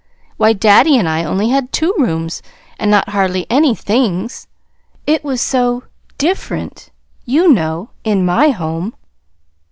"Why, daddy and I only had two rooms, and not hardly any THINGS. It was so different, you know, in my home."